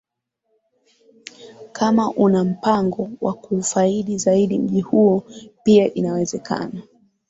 Kama una mpango wa kuufaidi zaidi mji huo pia inawezekana